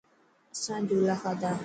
آسان جهولا کادا.